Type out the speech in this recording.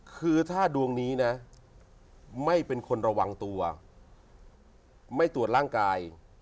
คือถ้าดวงนี้นะไม่เป็นคนระวังตัวไม่ตรวจร่างกาย